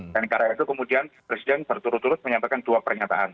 dan karena itu kemudian presiden berturut turut menyampaikan dua pernyataan